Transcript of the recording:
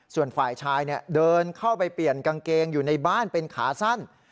ส่วนฝ่ายชายเดินเข้าไปเปลี่ยนกางเกงอยู่ในบ้านเป็นขาสั้น